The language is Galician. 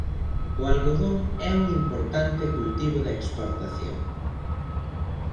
O algodón é un importante cultivo de exportación.